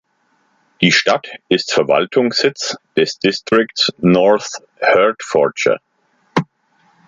Die Stadt ist Verwaltungssitz des Distrikts North Hertfordshire.